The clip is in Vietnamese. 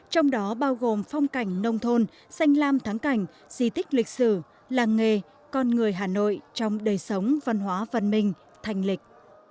trong đó bao gồm phong cảnh nông thôn xanh lam thắng cảnh di tích lịch sử làng nghề con người hà nội trong đời sống văn hóa văn minh thành lịch